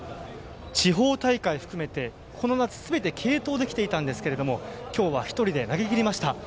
地方大会を含めてこの夏すべて継投できていたんですけど今日は１人で投げきりました。